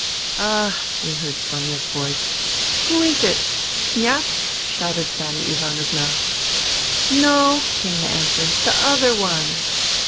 " Ah !" we heard Soma's voice. " Who is it ?... Kniaz ?" shouted Fanny Ivanovna. " No," came the answer, " the other one."